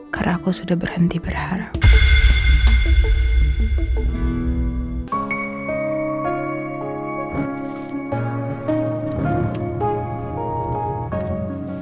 karena aku sudah berhenti berharap